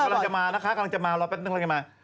กำลังจะมานะคะกำลังจะมารอแป๊บนึงกำลังจะมา